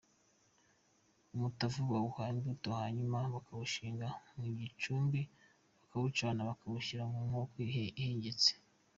Umutavu bawuha imbuto, hanyuma bakawushinga mu gicumbi bakawucana bakawushyira mu nkoko ihengetse.